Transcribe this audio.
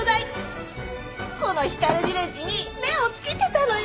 このヒカルヴィレッジに目を付けてたのよ。